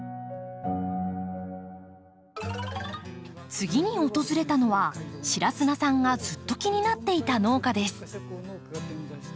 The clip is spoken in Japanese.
次に訪れたのは白砂さんがずっと気になっていた農家です。